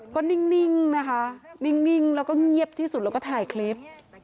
ก็นิ่งนะคะนิ่งแล้วก็เงียบที่สุดแล้วก็ถ่ายคลิป